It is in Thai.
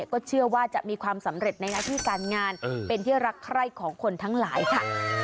ก็เชื่อว่าจะมีความสำเร็จในหน้าที่การงานเป็นที่รักใคร่ของคนทั้งหลายค่ะ